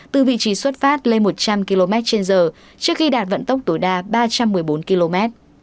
từ vị trí xuất phát lên một trăm linh km trên giờ trước khi đạt vận tốc tối đa ba trăm một mươi bốn km